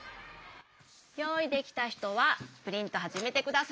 よういできたひとはプリントはじめてください。